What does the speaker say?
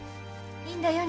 いいんだよ